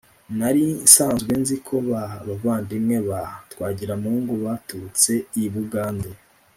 Nari nsanzwe nzi ko ba bavandimwe ba Twagiramungu baturutse i Bugande,